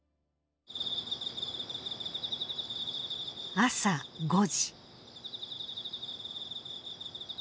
朝５時。